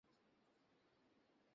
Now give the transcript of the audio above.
ব্যাস্ত হোয়ো না।